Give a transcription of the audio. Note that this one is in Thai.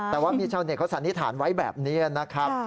แต่ว่ามีชาวเน็ตเขาสันนิษฐานไว้แบบนี้นะครับ